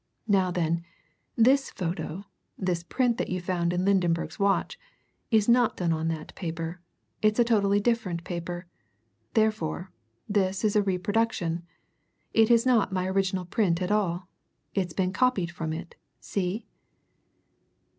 Now then this photo, this print that you found in Lydenberg's watch, is not done on that paper it's a totally different paper. Therefore this is a reproduction! It is not my original print at all it's been copied from it. See?"